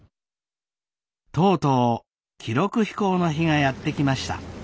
とうとう記録飛行の日がやって来ました。